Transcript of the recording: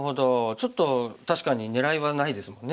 ちょっと確かに狙いはないですもんね